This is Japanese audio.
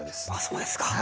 そうですか。